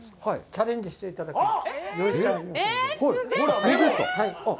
チャレンジしていただきます。